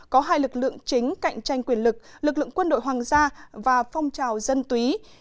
có hai lực lượng chính cạnh tranh quyền lực lực lượng quân đội hoàng gia và phong trào dân túy